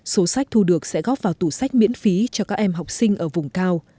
số sách thu được sẽ góp vào tủ sách miễn phí cho các em học sinh ở vùng cao